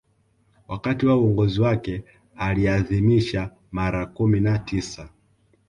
Wakati wa uongozi wake aliadhimisha mara kumi na tisa